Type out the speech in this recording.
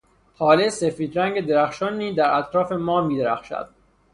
هاله سفید رنگ درخشانی در اطراف ماه می درخشد.